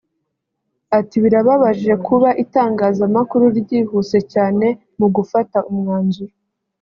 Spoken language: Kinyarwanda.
Ati “Birababaje kuba itangazamakuru ryihuse cyane mu gufata umwanzuro